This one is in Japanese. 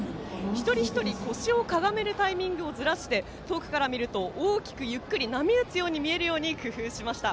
一人一人腰をかがめるタイミングをずらして遠くから見ると大きくゆっくり波打つ見えるように工夫しました。